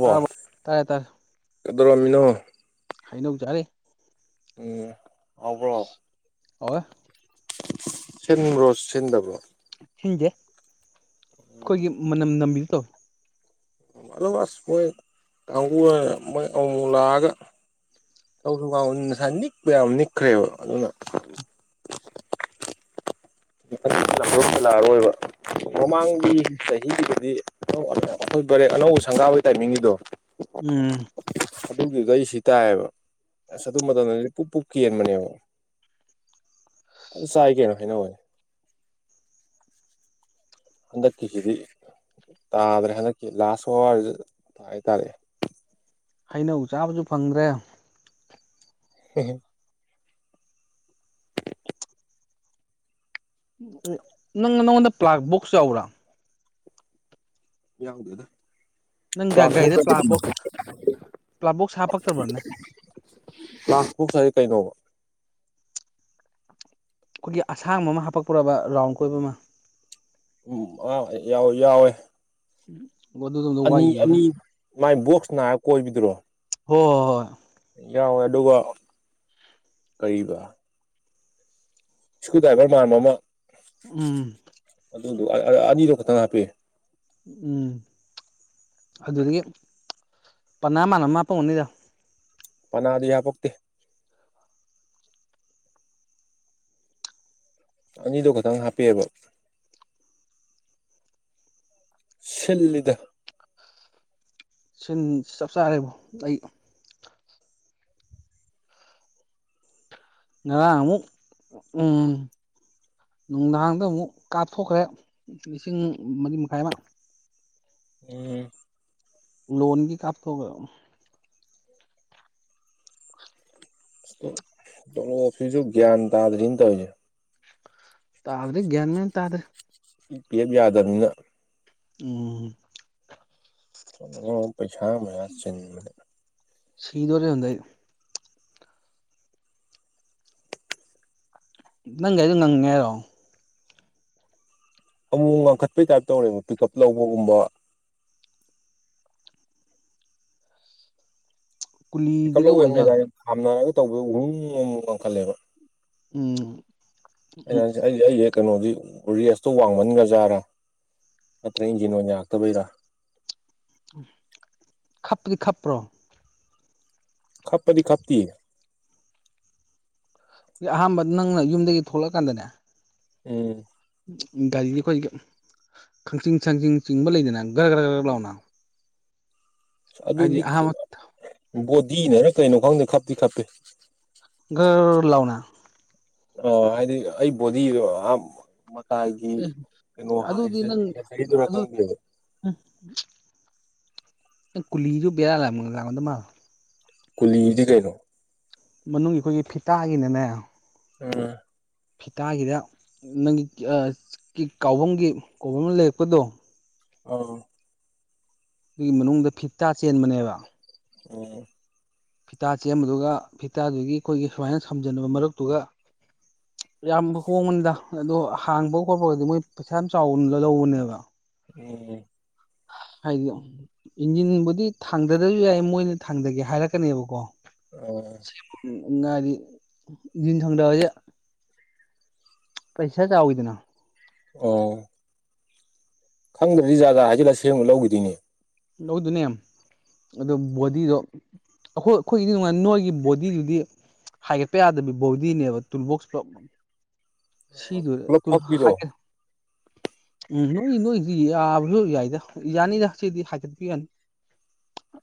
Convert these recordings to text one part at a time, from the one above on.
ꯇ ꯇꯥꯏꯔꯦ ꯇꯔ ꯀꯗꯧꯔꯝꯃꯤꯅꯣ ꯍꯥꯏꯅꯧ ꯆꯔꯦ ꯎ ꯑꯕ꯭ꯔꯣ ꯑꯣ ꯁꯤꯟꯕ꯭ꯔꯣ ꯁꯤꯟꯗꯕ꯭ꯔꯣ ꯍꯤꯡꯁꯦ ꯑꯩꯈꯣꯏꯒꯤ ꯃꯅꯝ ꯅꯝꯕꯤ ꯇꯣ ꯑ ꯑꯁ ꯃꯣꯏ ꯀꯥꯡꯕꯨ ꯃꯣꯏ ꯑꯃꯃꯨ ꯂꯥꯛꯑꯒ ꯇꯧꯁꯨ ꯀꯥꯡ ꯉꯁꯥꯏ ꯅꯤꯛꯄ ꯌꯥꯝ ꯅꯤꯛꯈ꯭ꯔꯦꯕ ꯑꯗꯨꯅ ꯂꯥꯛꯑꯔꯣꯏꯕ ꯃꯃꯥꯡꯒꯤ ꯆꯍꯤꯗꯨꯗꯗꯤ ꯈꯣꯏ ꯕꯔꯦ ꯑꯅꯧꯕ ꯁꯪꯒꯥꯕꯒꯤ ꯇꯥꯏꯃꯤꯡꯒꯤꯗꯣ ꯎꯝ ꯑꯗꯨꯗꯨꯗ ꯑꯩ ꯁꯤ ꯇꯥꯏꯌꯦꯕ ꯑꯁ ꯑꯗꯨ ꯃꯇꯝꯗꯗꯤ ꯄꯨꯛ ꯄꯨꯛ ꯀꯦꯟꯕꯅꯦꯕ ꯆꯥꯏ ꯀꯩꯅꯣ ꯍꯥꯏꯅ ꯋꯥꯅꯦ ꯑꯗ ꯀꯁꯤꯗꯤ ꯇꯥꯗ꯭ꯔꯦ ꯍꯟꯗꯛꯀꯤ ꯂꯥꯁ ꯍꯋꯥꯔꯁꯨ ꯍꯥꯏꯥꯏꯇꯥꯔꯦ ꯍꯩꯅꯧ ꯆꯥꯕꯁꯨ ꯐꯪꯗ꯭ꯔꯦ ꯍꯝ ꯅꯪ ꯅꯪꯉꯣꯟꯗ ꯄ꯭ꯂꯥꯛ ꯕꯣꯛꯁꯁꯨ ꯌꯥꯎꯕ꯭ꯔꯥ ꯌꯥꯎꯗ ꯑꯗ ꯅꯪꯒꯥꯏꯗ ꯄ꯭ꯂꯥꯕꯣꯁ ꯄ꯭ꯂꯥꯕꯣꯛꯁ ꯍꯥꯄꯇꯔꯕꯅꯦ ꯀ꯭ꯂꯥꯁꯕꯨꯛ ꯍꯥꯏꯗꯤ ꯀꯩꯅꯣꯕ ꯑꯩꯈꯣꯏꯒꯤ ꯑꯁꯥꯡꯕ ꯑꯃ ꯍꯥꯄꯛꯄꯨꯔꯕ ꯔꯥꯎꯟ ꯀꯣꯏꯕ ꯑꯃ ꯎ ꯑ ꯌꯥꯎ ꯌꯥꯎꯋꯦ ꯎ ꯃꯗꯝꯗ ꯑꯅꯤ ꯋꯥꯏꯒꯤ ꯑꯣꯏꯔꯦ ꯑꯅꯤ ꯃꯥꯏ ꯕꯣꯛꯁ ꯅꯥꯔꯒ ꯀꯣꯏꯕꯤꯗ꯭ꯔꯣ ꯍꯣꯏ ꯍꯣꯏ ꯌꯥꯎꯋꯦ ꯑꯗꯨꯒ ꯀꯔꯤꯕ ꯁꯀ꯭ꯔꯨ ꯗꯥꯏꯕꯔ ꯃꯥꯟꯕꯃ ꯎꯝ ꯑꯅꯤꯗ ꯈꯇꯪ ꯍꯥꯄꯦ ꯎꯝ ꯑꯗꯨꯗꯒꯤ ꯄꯅꯥ ꯃꯅ ꯃꯥꯄꯅꯤꯗ ꯄꯅꯥꯗꯨ ꯌꯥ ꯄꯣꯛꯇꯦ ꯑꯅꯤꯗꯣ ꯈꯇꯪ ꯍꯥꯞꯄꯑꯕ ꯁꯤꯟꯂꯗ ꯁꯤꯟ ꯆꯞ ꯆꯥꯔꯦꯕꯣ ꯑꯩ ꯉꯗ ꯑꯃꯃꯛ ꯎꯝ ꯅꯨꯡꯗꯥꯡꯗ ꯑꯃꯨꯛ ꯀꯥꯞꯊꯣꯛꯈ꯭ꯔꯦ ꯂꯤꯁꯤꯡ ꯃꯔꯤ ꯃꯈꯥꯏꯃ ꯎꯝ ꯂꯣꯟꯣꯟꯒꯤ ꯀꯥꯞꯇꯧꯒ ꯇꯣꯂꯣꯞꯐꯁꯨ ꯒ꯭ꯌꯥꯟ ꯇꯥꯗ꯭ꯔꯤꯅ ꯇꯧꯔꯤꯅꯦ ꯇꯥꯔꯦ ꯒꯟ ꯃ ꯇꯥꯗꯔꯦ ꯄꯤꯞ ꯌꯥꯗꯕꯅꯤꯅ ꯎꯝ ꯆ ꯄꯩꯥ ꯃ ꯌꯥ ꯆ ꯁꯤꯗꯣꯔꯏ ꯅꯪꯒ ꯑꯩꯗꯣ ꯉꯪꯉꯦ ꯍꯥꯏꯔꯣ ꯑꯃꯨꯛ ꯉꯡꯈꯠꯄꯩ ꯇꯥꯏꯞ ꯇꯧꯔꯦꯕ ꯄꯤꯛ ꯎꯞ ꯂꯧꯕꯒꯨꯝꯕ ꯀꯨꯂꯤꯗꯒ ꯍꯀꯝꯋꯅꯦꯗꯥ ꯑꯣꯏꯖꯥꯠꯂꯣ ꯊꯝꯅꯔꯒ ꯇꯧꯕ ꯑꯍꯨꯝ ꯑꯃꯃꯨꯛ ꯋꯥꯡꯈꯠꯂꯦꯕ ꯎꯝ ꯑꯩꯅ ꯑꯩꯗꯤ ꯑꯩꯁꯦ ꯀꯩꯅꯣꯗꯤ ꯔꯦꯁꯇꯨ ꯋꯥꯡꯃꯟꯒ꯭ꯔꯖꯥꯔꯥ ꯑꯠꯇ ꯏꯟꯖꯤꯤꯟ ꯋꯥ ꯍꯥꯥꯛꯇꯕꯩꯔ ꯈꯞꯗꯤ ꯈꯞꯄ꯭ꯔꯣ ꯈꯄꯗꯤ ꯈꯞꯤ ꯑꯩꯈ ꯑꯍꯥꯟꯕ ꯅꯪꯅ ꯌꯨꯝꯗꯒꯤ ꯊꯣꯛꯂꯛꯑꯀꯥꯟꯗꯅꯦ ꯎꯝ ꯒꯥꯔꯤꯗꯤ ꯑꯩꯈꯣꯏ ꯀꯪꯆꯤꯡ ꯁꯪꯖꯤꯡ ꯆꯤꯡꯕ ꯂꯩꯗꯅ ꯒ꯭ꯔ ꯒ꯭ꯔ ꯒ꯭ꯔ ꯈ ꯂꯥꯛꯑꯣꯅ ꯍꯥꯏꯗꯤ ꯑꯍꯥꯟꯕ ꯕꯣꯗꯤꯅ ꯀꯩꯅꯣ ꯈꯪꯗꯦ ꯈꯞꯇꯤ ꯈꯞꯄꯦ ꯘꯔ ꯂꯥꯎꯅ ꯑ ꯍꯥꯏꯗꯤ ꯑꯩ ꯣꯗꯤ ꯒꯤ ꯑꯦ ꯀꯩꯅꯣ ꯑꯗꯨꯗꯤ ꯅꯪ ꯆꯍꯤꯗꯨꯔ ꯑꯗꯨ ꯈꯪꯗꯦꯕ ꯀꯨꯂꯤꯁꯨ ꯕꯔ ꯂꯗ ꯃꯥ ꯀꯂꯗꯤ ꯀꯩꯅꯣ ꯃꯅꯨꯡꯒꯤ ꯑꯩꯈꯣꯏꯒꯤ ꯐꯤꯇꯥꯒꯤꯅꯅꯦ ꯑ ꯐꯤꯇꯥꯒꯤꯗ ꯅꯪꯒꯤ ꯀꯥꯎꯕꯒꯤ ꯀꯧꯕ ꯂꯩꯔꯛꯄꯗꯣ ꯑ ꯑꯗꯨꯒꯤ ꯃꯅꯨꯡꯗ ꯐꯤꯞꯇꯥ ꯆꯦꯟꯕꯅꯦꯕ ꯎꯝ ꯐꯤꯇꯥ ꯆꯦꯟꯕꯗꯨꯒ ꯐꯤꯇꯥꯗꯨꯒꯤ ꯑꯩꯈꯣꯏꯒꯤ ꯁꯨꯃꯥꯏꯅ ꯁꯝꯖꯟꯅꯕ ꯃꯔꯛꯇꯨꯒ ꯌꯥꯝ ꯍꯣꯡꯕꯅꯤꯗ ꯑꯗꯣ ꯍꯥꯡꯕ ꯈꯣꯠꯄꯒꯗꯤ ꯃꯣꯏ ꯄꯩꯁꯥ ꯌꯥꯝ ꯆꯥꯎ ꯂꯧꯕꯅꯦꯕ ꯎꯝ ꯍꯥꯏꯗꯤ ꯏꯟꯖꯤꯟꯕꯨꯗꯤ ꯊꯥꯡꯗꯗꯁꯨ ꯌꯥꯏ ꯃꯣꯏꯅ ꯊꯥꯡꯊꯒꯦ ꯍꯥꯏꯔꯛꯀꯅꯦꯕꯀꯣ ꯑꯣ ꯉꯔꯤ ꯌꯦꯟ ꯁꯪꯗꯕꯁꯦ ꯄꯩꯁꯥ ꯆꯎ ꯏꯗꯅꯥ ꯑꯣ ꯈꯪꯗ꯭ꯔꯗꯤ ꯖꯒꯥ ꯍꯥꯏꯁꯤꯂ ꯁꯦꯝꯕ ꯂꯧꯈꯤꯗꯣꯏꯅꯦ ꯂꯧꯗꯨꯅꯦ ꯑꯗꯨ ꯕꯣꯗꯤꯗꯣ ꯑꯩꯈꯣꯏ ꯑꯩꯈꯣꯏꯒꯤꯗꯤ ꯅꯨꯡꯉꯥꯏ ꯅꯣꯏꯒꯤ ꯕꯣꯗꯤꯗꯨꯗꯤ ꯍꯥꯏꯒꯠꯄ ꯌꯥꯗꯕꯤ ꯕꯣꯗꯤꯅꯦꯕ ꯇꯨꯜꯕꯣꯛꯁ ꯄꯨꯂꯞ ꯁꯤꯗꯨ ꯄꯨꯂꯞ ꯇꯨꯔ ꯐꯛꯄꯤꯗꯣ ꯍꯥ [inaudible] ꯎꯝ ꯅꯣꯏ ꯅꯣꯏꯁꯨ ꯌꯥꯏꯗ ꯌꯥꯅꯤꯗꯁꯤꯗꯤ ꯍꯥꯆ ꯌꯥꯅꯤ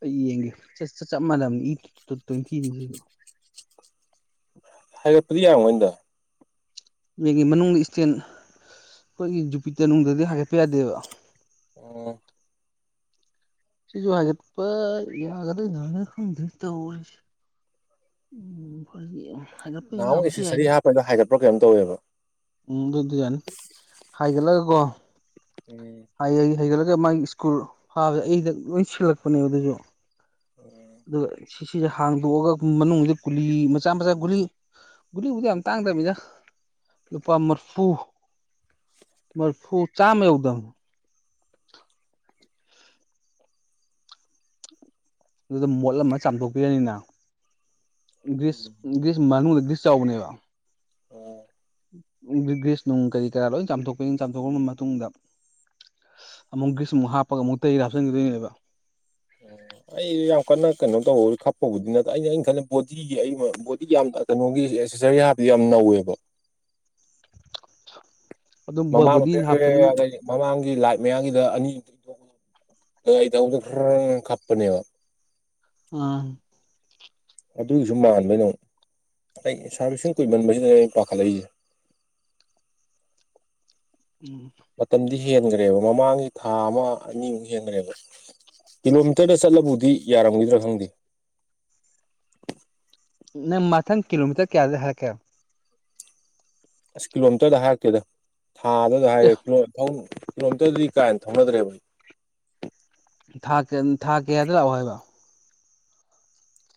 ꯑꯩ ꯌꯦꯡꯒꯦ ꯆꯠ ꯆ ꯆꯞ ꯃꯥꯟꯅꯕꯅꯤ ꯏ ꯇꯠꯇꯣꯏꯅ ꯊꯤꯁꯤ ꯍꯥꯏꯦ ꯄꯔꯤꯌꯥ ꯑꯣꯏꯣꯏꯗ ꯃꯦꯟꯒꯤ ꯃꯅꯨꯡꯗ ꯏꯁꯇꯦꯟ ꯑꯩꯈꯣꯏꯒꯤ ꯖꯨꯄꯤꯇꯔꯅꯨꯡꯗꯗꯤ ꯍꯥꯒꯠꯄ ꯌꯥꯗꯦꯕ ꯑꯣ ꯁꯤꯁꯨ ꯍꯥꯏꯒꯦꯒꯗꯤ ꯉꯅꯇ ꯑꯣꯏ ꯎꯝ ꯐ ꯍꯥꯏꯒꯠꯄ ꯅꯍꯥꯟꯃꯨꯛ ꯌꯥꯕꯁꯨ ꯑꯦꯁꯦꯁꯔꯤ ꯌꯥꯏꯗ ꯍꯥꯞꯄꯗ ꯍꯥꯏꯒꯠꯄ꯭ꯔꯥ ꯀꯩꯅꯣꯝ ꯇꯧꯋꯦꯕ ꯎꯝ ꯑꯗꯨꯗꯤ ꯌꯥꯅꯤ ꯍꯥꯏꯒꯠꯂꯒꯀꯣ ꯎꯝ ꯍ ꯍꯩꯒꯠꯂꯒ ꯃꯥꯒꯤ ꯁ꯭ꯀꯨꯜ ꯐꯥꯕꯗ ꯑꯩꯗ ꯂꯣꯏ ꯁꯤꯜꯂꯛꯄꯅꯦ ꯑꯗꯨꯁꯨ ꯑꯗꯨꯒ ꯁꯤꯁꯤꯁꯦ ꯍꯥꯡꯗꯣꯛꯑꯒ ꯃꯅꯨꯡꯁꯤ ꯒꯨꯂꯤ ꯃꯆꯥ ꯃꯆꯥ ꯒꯨꯂꯤ ꯒꯨꯂꯤꯕꯨꯗꯤ ꯌꯥꯝ ꯇꯥꯡꯗ꯭ꯔꯃꯤꯅ ꯂꯨꯄꯥ ꯃꯔꯔꯤꯐꯨ ꯃꯔꯐꯨ ꯆꯥꯃꯦ ꯑꯦꯗꯝ ꯑꯗꯨꯗ ꯃꯣꯠ ꯑꯃ ꯆꯥꯝꯊꯣꯛꯄꯤꯔꯅꯤꯅ ꯒ꯭ꯔꯤꯁ ꯎꯝ ꯒ꯭ꯔꯤꯁ ꯃꯅꯨꯡꯗꯒꯔꯤ ꯆꯧꯅꯦꯕ ꯑꯣ ꯔꯤꯒ꯭ꯔꯤꯁ ꯅꯨꯡ ꯀꯔꯤ ꯀꯔꯥ ꯂꯣꯏ ꯆꯥꯝꯊꯣꯛꯀ ꯆꯥꯝꯊꯣꯛꯈ꯭ꯔꯕ ꯃꯇꯨꯡꯗ ꯑꯃꯨꯛꯒꯤꯁ ꯑꯃꯨꯛ ꯍꯥꯞꯄꯒ ꯑꯃꯨꯛ ꯇ ꯍꯥꯞꯆꯤꯟꯈꯤꯗꯣꯏꯅꯦꯕ ꯑꯣ ꯑꯩ ꯌꯥꯝ ꯀꯟꯅ ꯀꯩꯅꯣ ꯇꯧꯕꯍ ꯈꯛꯄꯕꯨꯗꯤ ꯅꯠꯇ ꯑꯩꯅ ꯑꯩꯅ ꯈꯜꯂꯦ ꯕꯣꯗꯤꯒꯤ ꯕꯣꯗꯤ ꯌꯥꯝ ꯀꯩꯅꯣꯒꯤ ꯑꯦꯁꯦꯁꯔꯤ ꯍꯥꯞꯕꯗꯤ ꯌꯥꯝ ꯅꯧꯋꯦꯕ ꯑꯗꯨꯝ ꯃꯃꯥꯡ ꯕꯣꯗꯤ ꯃꯩ ꯍꯥꯞꯄꯁꯨ ꯑ ꯃꯃꯥꯡꯒꯤ ꯂꯥꯏ ꯃꯌꯥꯝꯒꯤ ꯑꯅꯤꯗꯗ ꯈꯔ ꯀꯞꯄꯅꯦꯕ ꯑꯥ ꯑꯗꯨꯒꯤꯁꯨ ꯃꯥꯟꯕꯩꯅꯨꯛ ꯑꯩ ꯁꯥꯔꯚꯤꯁꯁꯤꯡ ꯀꯨꯏꯃꯟꯕꯁꯤꯗ ꯑꯩꯅ ꯄꯥꯈꯠꯂꯛꯏꯁꯦ [unintelligible] ꯎꯝ ꯃꯇꯝꯗꯤ ꯍꯦꯟꯈ꯭ꯔꯦꯕ ꯃꯃꯥꯡꯁꯤ ꯊꯥ ꯑꯃ ꯑꯅꯤꯃꯨꯛ ꯍꯦꯟꯈ꯭ꯔꯦꯕ ꯀꯤꯂꯣꯃꯤꯇꯔꯗ ꯆꯠꯂꯕꯨꯗꯤ ꯌꯥꯔꯝꯒꯗ꯭ꯔꯥ ꯈꯪꯗꯦ ꯅ ꯃꯊꯪ ꯀꯂꯣꯃꯤꯇꯔ ꯀꯌꯥꯗꯦ ꯍꯔꯀꯦ ꯑꯁ ꯀꯤꯂꯣꯃꯤꯇꯔꯗ ꯍꯥꯏꯔꯛꯇꯦꯗ ꯊꯥꯗꯨꯗ ꯑꯦ ꯍꯥꯏꯌꯦꯦ ꯀꯩꯅꯣꯝꯇꯗꯤ ꯀꯥꯏꯅ ꯊꯧꯅꯗ꯭ꯔꯦꯕꯩ ꯥ ꯊꯥ ꯀꯌꯥꯗ ꯂꯥꯛꯑꯣ ꯍꯥꯏꯕ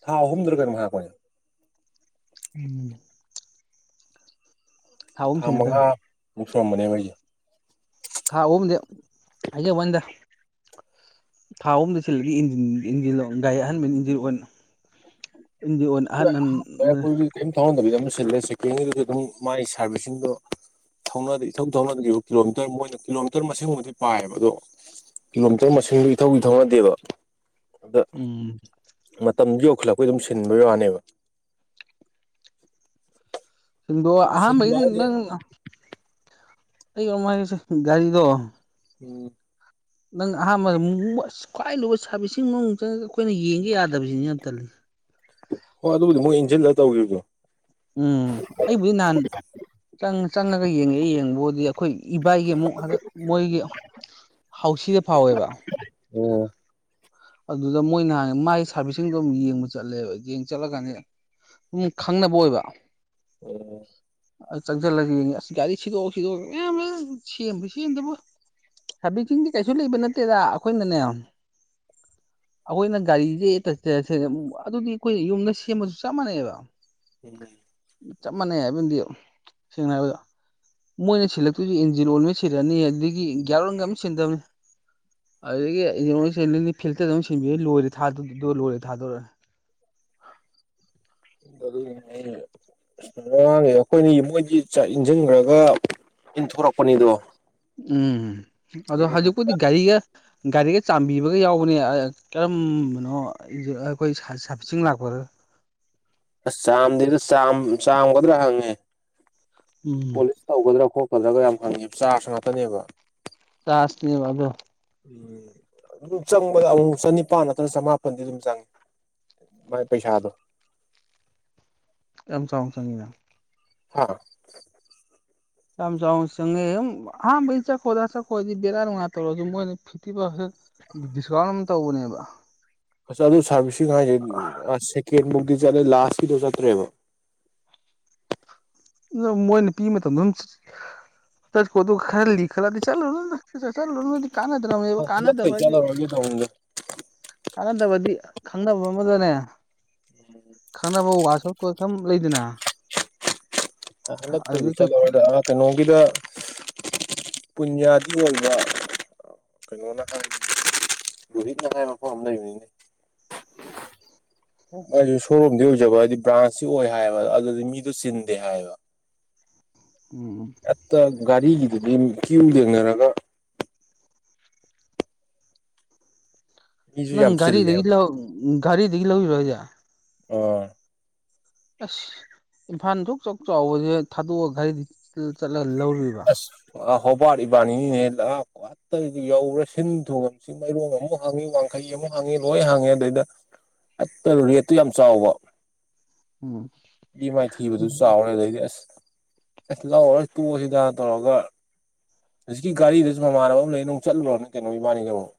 ꯊꯥꯎ ꯍꯍꯝꯗꯨꯔꯒꯔ ꯃꯍꯥꯛ ꯀꯣꯏ ꯎꯝꯗ ꯊꯥ ꯁꯤꯡꯒꯗꯕꯅꯤ ꯃꯉꯥꯃꯨꯛ ꯁꯨꯔꯝꯕꯅꯦ ꯑꯩꯈꯣꯏꯁꯦ ꯍꯥꯎ ꯑꯣꯝꯗꯦ ꯑꯩꯖ ꯋꯥꯟꯗ ꯊꯥ ꯑꯍꯨꯝꯗ ꯁꯤꯜꯂꯒꯟꯟ ꯏꯟꯖꯤꯟ ꯒꯥꯔꯤ ꯑꯍꯟꯕꯅ ꯏꯟꯖꯤꯟꯔꯑꯣ ꯑꯣꯏꯅ ꯏꯗꯤ ꯑꯅ ꯊꯥꯎꯍꯟꯗꯕꯤꯗ ꯑꯗꯨꯝ ꯁꯤꯜꯂꯦ ꯁꯦꯀ꯭ꯌꯔꯤꯉꯩꯗꯁꯨ ꯑꯗꯨꯝ ꯃꯥꯒꯤ ꯁꯥꯔꯚꯤꯁꯁꯤꯡꯗꯣ ꯊꯧꯅꯗꯤ ꯏꯊꯧ ꯊꯧꯅ ꯀꯤꯂꯣꯃꯤꯇꯔ ꯃꯣꯏꯅ ꯀꯤꯂꯣꯃꯤꯇꯔ ꯃꯁꯤꯡꯃꯥꯎꯕꯗꯤ ꯄꯥꯏꯌꯦꯕ ꯑꯗꯣ ꯀꯤꯂꯣꯃꯤꯇꯔ ꯃꯁꯤꯡ ꯏꯊꯧꯒꯤꯊꯧꯅꯗꯦꯕ ꯑꯗ ꯎꯝ ꯃꯇꯝ ꯌꯧꯈꯠꯂ ꯑꯩꯈꯣꯏ ꯑꯗꯨꯝ ꯁꯤꯟ ꯋꯥꯅꯦꯕ ꯁꯤꯡꯗꯣ ꯑꯗꯨꯝ ꯁꯤꯟꯕ ꯑꯍꯥꯟꯕꯩꯗꯤ ꯍꯥꯏꯁꯦ ꯅꯪ ꯑꯩ ꯌꯉꯥꯏꯁꯦ ꯒꯥꯔꯤꯗꯣ ꯎꯝ ꯅꯪ ꯑꯍꯥꯟꯕꯗ ꯈ꯭ꯋꯥꯏ ꯂꯨꯕ ꯁꯥꯔꯚꯤꯁꯁꯤꯡ ꯃꯅꯨꯡꯗ ꯑꯩꯈꯣꯏꯅ ꯌꯦꯡꯒꯦ ꯌꯥꯗꯕꯁꯤꯅꯤ ꯌꯥꯝ ꯇꯜꯂꯤ ꯍꯣꯏ ꯑꯗꯨꯕꯨꯗꯤ ꯃꯣꯏ ꯏꯟꯖꯤꯟꯗ ꯇꯧꯈꯤꯕꯗꯨꯣ ꯎꯝ ꯑꯩꯕꯨꯗꯤ ꯅꯍꯥꯟ ꯆꯪ ꯆꯪꯉꯒ ꯌꯦꯡꯉꯛꯦ ꯌꯦꯡꯕꯕꯨꯗꯤ ꯑꯩꯈꯣꯏ ꯏꯕꯥꯏꯒꯤ ꯑꯃꯨꯛ ꯍꯟꯗꯛ ꯃꯣꯏꯒꯤ ꯍꯥꯎꯁꯤꯗ ꯐꯥꯎꯋꯦꯕ ꯑꯣ ꯑꯗꯨꯗ ꯃꯣꯏꯅꯍꯥꯟ ꯃꯥꯏ ꯁꯥꯔꯚꯤꯁꯁꯤꯡꯗꯣ ꯑꯗꯨꯝ ꯌꯦꯡꯕ ꯆꯠꯂꯦꯕ ꯌꯦꯡ ꯆꯠꯂꯀꯥꯟꯅꯤ ꯑꯗꯨꯝ ꯈꯪꯅꯕ ꯑꯣꯏꯕ ꯑꯣꯝ ꯑ ꯆꯪꯁꯤꯜꯂꯒꯦꯅꯦ ꯑꯁ ꯒꯥꯔꯤ ꯁꯤꯗꯣꯛꯎ ꯁꯤꯗꯣꯛ ꯌꯥꯝ ꯁꯦꯝꯕꯣꯏ ꯁꯦꯝꯗꯕꯣꯏ ꯁꯥꯕꯤꯛꯁꯤꯡꯗꯤ ꯀꯩꯁꯨ ꯂꯩꯕ ꯅꯠꯇꯦꯗ ꯑꯩꯈꯣꯏꯅꯅꯦ [inaudible] ꯑꯩꯈꯣꯏꯅ ꯒꯥꯔꯤꯒꯤ [unintelligible] ꯑꯗꯨꯗꯤ ꯑꯩꯈꯣꯏ ꯌꯨꯝꯗ ꯁꯦꯝꯕꯁꯨ ꯆꯞ ꯃꯥꯟꯅꯩꯑꯕ ꯎꯝ ꯆꯞ ꯃꯥꯟꯅꯩ ꯍꯥꯏꯕꯅꯗꯤ ꯁꯦꯡꯅ ꯍꯥꯏꯔꯕꯗ ꯃꯣꯏꯅ ꯁꯤꯜꯂꯛꯇꯣꯏꯁꯨ ꯏꯟꯖꯤꯟ ꯑꯣꯏꯜ ꯑꯃꯥ ꯁꯤꯜꯂꯛꯑꯅꯤ ꯑꯗꯨꯗꯒꯤ ꯒ꯭ꯌꯥꯔꯑꯣꯏꯜ ꯒꯥ ꯑꯃꯇꯥ ꯁꯤꯟꯗꯔꯥꯕꯅꯤ ꯗꯥ ꯑꯗꯨꯗꯒꯤ ꯏꯟꯖꯤꯟꯐꯤꯇꯔ ꯂꯣꯏ ꯂꯣꯏꯦ ꯊꯥꯗꯣꯔꯦ ꯥꯡꯁꯦ ꯑꯩꯈꯣꯏꯅꯤ ꯃꯣꯏꯗꯤ ꯆꯥꯛ ꯏꯟꯁꯤꯟꯈ꯭ꯔꯒ ꯏꯟꯊ ꯄꯨꯔꯛꯄꯅꯤꯗꯨꯣ ꯎꯝ ꯑꯗ ꯍꯥꯏꯖꯤꯛ ꯀꯗꯤ ꯒꯥꯔꯤꯒ ꯒꯥꯔꯤꯒ ꯆꯥꯟꯝꯕꯤꯕꯒ ꯌꯥꯎꯕꯅꯦ ꯀꯔꯝꯕꯅꯣ ꯑꯩꯈꯣꯏ ꯁꯥꯔꯕꯤꯤꯁꯤꯡ ꯂꯥꯛꯄꯒ [inaudible] ꯑꯁ ꯆꯥꯝꯗꯦꯗ ꯆꯥꯝꯒꯗ꯭ꯔꯥ ꯍꯪꯉꯦ ꯎꯝ ꯄꯣꯂꯤꯁ ꯇꯧꯒꯗ꯭ꯔꯥ ꯈꯣꯠ ꯈꯜꯂꯒ ꯌꯥꯝ ꯍꯪꯉꯦ ꯆꯥꯔꯖ ꯉꯥꯛꯇꯅꯦꯕ [unintelligible] ꯎꯝ ꯑꯗꯨꯝ ꯆꯪꯕꯗ ꯑꯃꯨꯛ ꯆꯅꯤꯄꯥꯜ ꯅꯠꯇ꯭ꯔꯒ ꯆꯃꯥꯄꯜꯗꯤ ꯑꯗꯨꯝ ꯆꯪꯉꯤ ꯃꯥꯥꯏ ꯄꯩꯁꯥꯗꯣ ꯌꯥꯝ ꯆꯥꯎꯅ ꯆꯪꯉꯤꯅ ꯍꯥ [unintelligible] ꯗꯤꯁꯀꯥꯎꯟ ꯑꯃ ꯇꯧꯕꯅꯦꯕ ꯑ ꯑꯗꯨ ꯁꯥꯔꯚꯤꯁ ꯍꯥꯏꯖ [unintelligible] [unintelligible] ꯂꯥꯁꯀꯤꯗꯣ ꯆꯇ꯭ꯔꯦꯕ [unintelligible] ꯃꯣꯏꯅ ꯄꯤꯕ ꯃꯇꯝꯗꯨ ꯑꯗꯨꯝ [unintelligible] [unintelligible] ꯀꯥꯟꯅꯗ꯭ꯔ ꯍꯟꯗꯛꯇꯩ ꯀꯥꯟꯅꯗꯕꯗꯤ ꯆꯠꯂꯔꯣꯏꯒꯦ ꯇꯧꯕꯅꯤꯗ ꯀꯅꯗꯕꯗꯤ ꯈꯪꯅꯕ ꯑꯃꯗꯅꯦ ꯈꯪꯅꯕ ꯋꯥ [unintelligible] [unintelligible] ꯂꯩꯗꯅ ꯍꯟꯇꯛꯇꯥꯒꯤ ꯑꯗꯨꯗꯒꯤ ꯆꯜꯂꯔꯣꯏꯗ ꯟꯥ ꯀꯩꯅꯣꯒꯤꯗꯥ ꯄꯨꯟꯌꯥ [unintelligible] ꯑꯣꯏꯕ ꯀꯩꯅꯣꯅ [unintelligible] ꯔꯣꯍꯤꯠꯅ ꯉꯥꯏꯕ ꯃꯥꯐꯝ ꯑꯃꯥ ꯂꯩꯕꯅꯤꯅꯦ [inaudible] ꯑꯩꯁꯨ ꯁꯣꯔꯨꯝꯗꯤ ꯑꯣꯏꯖꯕ ꯍꯥꯏꯗꯤ ꯕ꯭ꯔꯥꯟꯁꯁꯨ ꯑꯣꯏ ꯍꯥꯏꯕ ꯑꯗꯨꯗꯤ ꯃꯤꯗꯣ ꯆꯤꯟꯗꯦ ꯍꯥꯏꯕ ꯎꯝ ꯍꯦꯛꯇ ꯒꯥꯔꯤꯒꯤꯗꯨꯗꯤ ꯀ꯭ꯌꯨ ꯂꯦꯡꯅꯔꯒ ꯃꯤꯁꯨ ꯅꯪ ꯌꯥꯝ ꯒꯥꯔꯤ ꯗꯒꯤ ꯆꯤꯜꯂꯦꯕ ꯂꯧ ꯒꯥꯔꯤꯗꯒꯤ ꯂꯧꯔꯤꯔꯣ ꯍꯥꯏꯖ ꯑꯥ ꯑꯁ ꯏꯝꯐꯥꯜ [unintelligible] ꯆꯥꯎꯕꯁꯦ ꯊꯥꯗꯣꯛꯑꯒ ꯒꯥꯔꯤꯗꯤ [unintelligible] ꯂꯧꯔꯨꯔꯤꯕ [unintelligible] ꯟꯥꯇꯩꯗꯤ ꯌꯧꯔꯦ ꯁꯤꯟ ꯊꯨꯝꯉꯦ ꯆꯤꯡꯃꯩꯔꯣꯡ ꯑꯃꯨꯛ ꯍꯥꯡꯉꯤ ꯋꯥꯡꯈꯩ ꯑꯃꯨꯛ ꯍꯥꯡꯉꯤ ꯂꯣꯏ ꯍꯥꯡꯉꯤ ꯑꯗꯩꯗ ꯑꯠꯇ ꯔꯦꯠꯇ ꯌꯥꯝ ꯆꯥꯎꯕ ꯎꯝ ꯏ ꯃꯥꯏꯊꯤꯕꯗꯨ ꯆꯥꯎꯔꯦ ꯑꯗꯨꯗꯩꯗꯤ ꯑꯁ ꯑꯁ ꯂꯥꯎꯔꯥꯔꯣꯏ ꯇꯣꯛꯑꯁꯤꯗ ꯇꯧꯔꯒ ꯍꯧꯖꯤꯛꯀꯤ ꯒꯥꯔꯤꯗꯨꯁꯨ ꯃꯃꯥꯟꯅꯕ ꯑꯃ ꯂꯩꯅ ꯆꯠꯂꯨꯔꯕꯥꯅꯦ ꯀꯩꯅꯣ ꯏꯕꯥꯅꯤ ꯟꯃꯨꯛ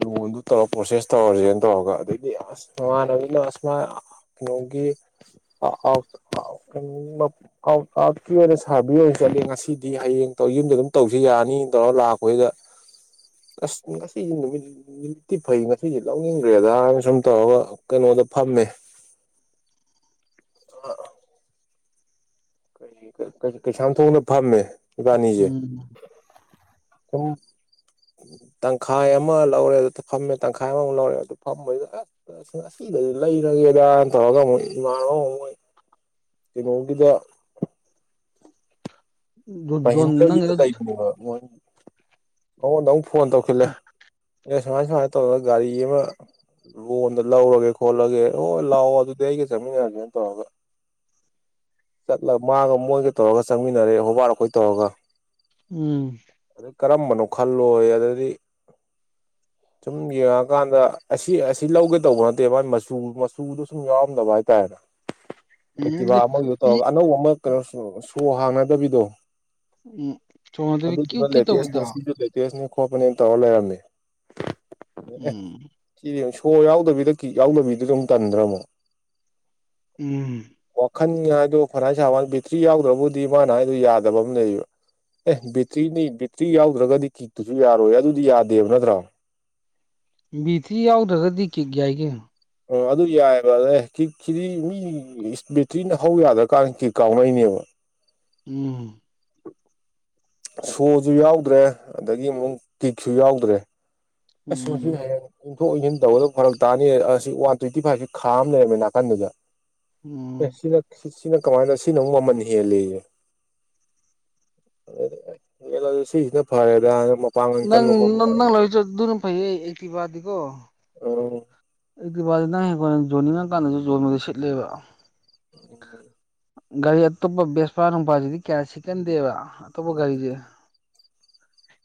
ꯂꯣꯟꯗꯨ ꯇꯧꯔ ꯄ꯭ꯔꯣꯁꯦꯁ ꯇꯧꯔꯁꯦꯅ ꯇꯧꯔꯒ ꯑꯩꯗꯤ ꯑꯁ ꯃꯃꯥꯟꯅꯕꯤꯅ ꯑꯁ ꯀꯩꯅꯣꯒꯤ ꯑꯥꯎ ꯑꯥꯎꯀꯤ ꯑꯣꯏꯅ ꯁꯥꯔꯕꯤ ꯑꯣꯏꯅ ꯆꯠꯂꯤ ꯉꯁꯤꯗꯤ ꯍꯌꯦꯡ ꯌꯨꯝꯗ ꯑꯗꯨꯝ ꯇꯧꯁꯤ ꯌꯥꯅꯤ ꯇꯧꯔ ꯂꯥꯛꯄꯁꯤꯗ ꯑꯁ ꯉꯁꯤꯁ ꯅꯨꯃꯤꯠꯇꯤ ꯐꯩ ꯉꯁꯤꯁ ꯂꯧꯅꯤꯡꯈ꯭ꯔꯦꯗꯅ ꯁꯨꯝ ꯇꯧꯔꯒ ꯀꯩꯅꯣ ꯃꯗ ꯐꯝꯃꯦ ꯀꯩꯁꯥꯝ ꯊꯣꯛꯅ ꯐꯝꯃꯦ ꯏꯕꯥꯅꯤꯁꯦ ꯎꯝ ꯀ ꯇꯪꯈꯥꯏ ꯑꯃ ꯂꯧꯔꯦ ꯑꯗꯨ ꯐꯝꯃꯦ ꯇꯪꯈꯥꯏ ꯑꯃꯃꯨꯛ ꯂꯧꯔꯦ ꯑꯗꯨ ꯐꯝꯗꯨꯗ ꯑꯁ ꯑꯗꯨ ꯂꯩꯔꯒꯦꯗꯅ ꯇꯧꯔꯒ ꯑꯃꯨꯣꯏ ꯏꯃꯥꯟꯅꯕ ꯑꯃ ꯃꯣꯏ ꯀꯩꯅꯣꯒꯤꯗ ꯃ ꯖꯣꯟ ꯍꯟꯗ꯭ꯔꯒ ꯅꯪꯒꯤꯗꯣ ꯒꯤꯗ ꯆꯥꯏꯕꯅꯦ ꯃꯣꯏ ꯑꯩꯉꯣꯟꯗ ꯑꯃꯨꯛ ꯐꯣꯟ ꯇꯧꯁꯤꯂꯦ ꯑꯦ ꯁꯨꯃꯥꯏ ꯁꯨꯃꯥꯏꯅ ꯇꯧꯔꯒ ꯒꯥꯔꯤ ꯑꯃ ꯂꯣꯟꯗ ꯂꯧꯔꯒꯦ ꯈꯣꯠꯂꯒꯦ ꯍꯣꯏ ꯂꯥꯛꯑꯣ ꯑꯗꯨꯗꯤ ꯑꯩꯒ ꯆꯠꯃꯤꯟꯅꯔꯒꯦꯅ ꯇꯧꯔꯒ ꯆꯠꯂꯒ ꯃꯥꯒ ꯃꯣꯏꯒ ꯇꯧꯔꯒ ꯆꯪꯃꯤꯟꯅꯔꯦ ꯍꯣꯕꯥꯔ ꯑꯩꯈꯣꯏ ꯇꯧꯔꯒ ꯎꯝ ꯑꯗꯩ ꯀꯔꯝꯕꯅꯣ ꯈꯜꯂꯣꯏ ꯑꯗꯨꯗꯤ ꯁꯨꯝ ꯌꯦꯡꯉꯀꯥꯟꯗ ꯑꯁꯤ ꯑꯁꯤ ꯂꯧꯒꯦ ꯇꯧꯕ ꯅꯠꯇꯦ ꯃꯥꯥꯏ ꯃꯆꯨ ꯃꯆꯨꯗꯣ ꯁꯨꯝ ꯌꯥꯎꯔꯝꯗꯕ ꯍꯥꯏꯇꯥꯔꯦꯅꯦ ꯑꯦꯛꯇꯤꯚꯥ ꯎꯝꯗꯤ ꯑꯃꯒꯤꯗ ꯇꯧꯔꯒ ꯑꯅꯧꯕ ꯑꯃ ꯀꯩꯅꯣ ꯁꯣ ꯍꯥꯡꯅꯗꯕꯤꯗꯣ ꯎꯝ ꯆꯣꯡꯉꯗꯕꯤ ꯑꯗꯨꯗ ꯀ꯭ꯌꯨ ꯆꯃ ꯀ꯭ꯌꯨ ꯂꯩꯇ ꯇꯧꯕꯤꯗꯣ ꯑꯁꯅꯦ ꯁꯤꯁꯨ ꯂꯩꯇꯅꯦ ꯣꯄꯅꯅ ꯇꯧꯂꯔꯝꯃꯦ ꯎꯝ ꯍꯣ ꯌꯥꯎꯗꯕꯤꯗ ꯀꯤ ꯌꯥꯎꯗꯕꯤꯗꯨꯗ ꯑꯗꯨꯝ ꯇꯟꯗ꯭ꯔꯃꯣ ꯎꯝ ꯈꯟ ꯍꯥꯏꯗꯣ ꯈꯅꯥꯥꯏ ꯁꯥꯕ ꯕꯦꯇ꯭ꯔꯤ ꯌꯥꯎꯗ꯭ꯔꯕꯨꯗꯤ ꯃꯥꯅ ꯍꯥꯏꯗꯣ ꯌꯥꯗꯕ ꯑꯃ ꯂꯩꯌꯦꯕ ꯑꯦ ꯕꯦꯇ꯭ꯔꯤꯅꯤ ꯕꯦꯇ꯭ꯔꯤ ꯌꯥꯎꯗ꯭ꯔꯒꯗꯤ ꯀꯤꯛꯇꯨꯁꯨ ꯌꯥꯔꯣꯏ ꯑꯗꯨꯗꯤ ꯌꯥꯗꯦꯕ ꯅꯠꯇ꯭ꯔꯣ ꯕꯤꯊꯤ ꯌꯥꯎꯗ꯭ꯔꯒꯗꯤ ꯀꯤꯛ ꯌꯥꯏꯒꯤ ꯑꯣ ꯑꯗꯨ ꯌꯥꯏꯑꯕ ꯑ ꯀꯤꯛꯁꯤꯗꯤ ꯃꯤ ꯕꯦꯇ꯭ꯔꯤꯅ ꯍꯧ ꯌꯥꯗ꯭ꯔꯀꯥꯟꯗ ꯀꯤ ꯀꯥꯎꯅꯩꯅꯦꯕ ꯎꯝ ꯁꯣꯁꯨ ꯌꯥꯎꯗ꯭ꯔꯦ ꯑꯗꯨꯗꯒꯤ ꯑꯃꯨꯛ ꯀꯤꯛꯁꯨ ꯌꯥꯎꯗ꯭ꯔꯦ ꯑꯁ ꯎꯝ ꯍꯥꯏ ꯌꯥꯅꯤ ꯊꯣꯛ ꯏꯟꯁꯤꯟ ꯇꯧꯒꯗꯕ ꯐꯔꯛ ꯇꯥꯅꯤ ꯑꯁꯤ ꯋꯥꯟ ꯇ꯭ꯋꯦꯟꯇꯤ ꯐꯥꯏꯚꯁꯤ ꯈꯥ ꯑꯃ ꯂꯩꯔꯝꯃꯦ ꯅꯥꯀꯟꯗꯨꯗ ꯑꯦ ꯎꯝ ꯁꯤꯅ ꯁꯤꯅ ꯀꯃꯥꯏꯅ ꯁꯤꯅ ꯑꯃꯨꯛ ꯃꯃꯟ ꯍꯦꯜꯜꯂꯤꯁꯦ ꯂꯁꯤꯁꯤꯅ ꯐꯗ ꯅꯪ ꯅꯪ ꯂꯣꯏꯁꯨ ꯑꯗꯨꯅ ꯐꯩꯌꯦ ꯑꯩꯛꯇꯤ ꯄꯗꯤꯀꯣ ꯑ ꯑꯩꯗꯤ ꯋꯥꯗꯤ ꯅꯪ ꯍꯈꯣꯏꯅ ꯌꯣꯟꯅꯤꯡꯉꯀꯥꯟꯗꯁꯨ ꯌꯣꯟꯕꯗ ꯁꯤꯠꯂꯦꯕ ꯎꯝ ꯒꯥꯔꯤ ꯑꯇꯣꯞꯄ ꯕꯦꯁꯄꯥ ꯅꯨꯡꯄꯥꯁꯤꯗꯤ ꯀꯌꯥ ꯁꯤꯛꯀꯟꯗꯦꯕ ꯑꯇꯣꯞꯄ ꯒꯥꯔꯤꯁꯦ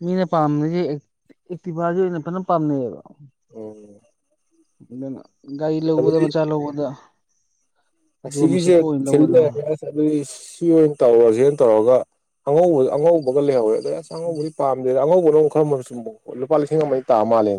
ꯃꯤꯅ ꯄꯥꯝꯅꯁꯦ ꯑꯦꯛꯇꯤꯚꯥꯁꯦ ꯑꯣꯏꯅ ꯐꯖꯅ ꯄꯥꯝꯅꯩꯌꯦꯕ ꯎꯝ ꯒꯥꯔꯤ ꯂꯧꯕꯧꯕꯗ ꯃꯆꯥ ꯂꯧꯕꯧꯕꯗ ꯁꯤꯒꯤꯁꯦ ꯈꯦ ꯂꯧꯒꯗꯕꯅꯤ ꯁꯤ ꯑꯣꯏꯅ ꯇꯧꯔ ꯁꯤ ꯑꯣꯏꯅ ꯇꯧꯔꯒ ꯑꯉꯧꯕ ꯑꯉꯧꯕꯒ ꯂꯩꯍꯧꯋꯦ ꯑꯗꯣ ꯑꯁ ꯑꯉꯧꯕꯗꯤ ꯄꯥꯝꯗꯦꯗ ꯑꯉꯧꯕ ꯄꯨꯣꯔꯣ ꯈꯔ ꯂꯨꯄꯥ ꯂꯤꯁꯤꯡ ꯑꯃ ꯇꯥ ꯃꯥꯜꯂꯦ